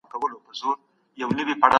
ایا ماشومان تل پوښتني کوي؟